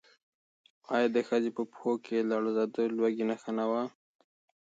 ایا د ښځې په پښو کې لړزه د لوږې نښه وه؟